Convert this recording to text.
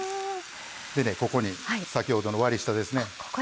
ここに先ほどの割り下ですね。